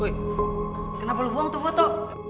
woy kenapa lo buang tuh foto